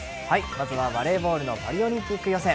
まずは、バレーボールのパリオリンピック予選。